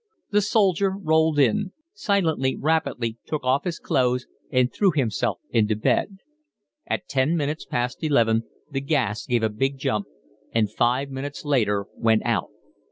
The soldier rolled in; silently, rapidly, took off his clothes and threw himself into bed. At ten minutes past eleven the gas gave a big jump and five minutes later went out.